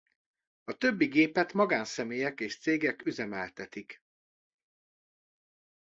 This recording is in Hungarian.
A többi gépet magánszemélyek és cégek üzemeltetik.